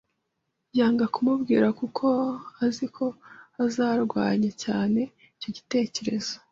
Yanga kumubwira kuko azi ko azarwanya cyane icyo gitekerezo.